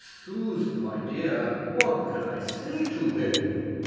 Susan, my dear, what can I say to him?"